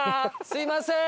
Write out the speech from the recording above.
すみません。